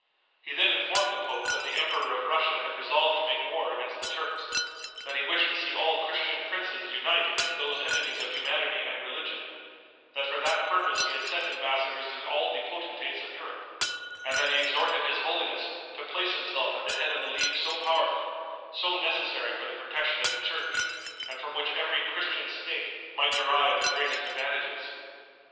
He then informed the pope that the Emperor of Russia had resolved to make war against the Turks, that he wished to see all Christian princes unite against those enemies of humanity and religion, that for that purpose he had sent embassadors to all the potentates of Europe, and that he exhorted his holiness to place himself at the head of a league so powerful, so necessary for the protection of the church, and from which every Christian State might derive the greatest advantages.